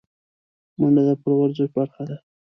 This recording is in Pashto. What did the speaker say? منډه د پوره ورزش برخه ده